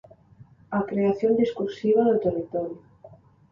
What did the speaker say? A creación discursiva do territorio.